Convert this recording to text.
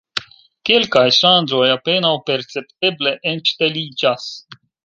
Kelkaj ŝanĝoj apenaŭ percepteble enŝteliĝas.